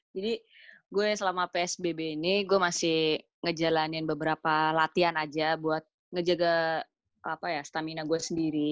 jadi gue selama psbb ini gue masih ngejalanin beberapa latihan aja buat ngejaga apa ya stamina gue sendiri